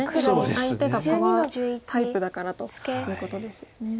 相手がパワータイプだからということですよね。